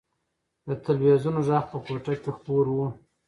د تلویزون غږ په کوټه کې خپور و.